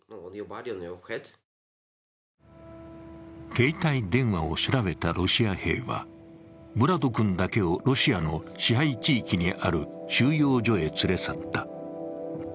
携帯電話を調べたロシア兵はヴラド君だけをロシアの支配地域にある収容所へ連れ去った。